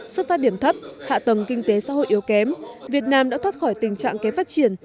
xuất phát điểm thấp hạ tầng kinh tế xã hội yếu kém việt nam đã thoát khỏi tình trạng kém phát triển